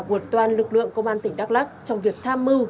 của toàn lực lượng công an tỉnh đắk lắc trong việc tham mưu